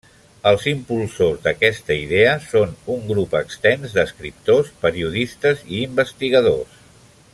Els impulsors d'aquesta idea són un grup extens d'escriptors, periodistes i investigadors.